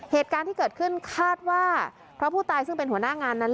เหตุการณ์ที่เกิดขึ้นคาดว่าเพราะผู้ตายซึ่งเป็นหัวหน้างานนั้น